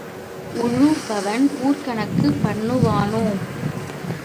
உழுபவன் ஊர்க்கணக்குப் பண்ணுவானோ?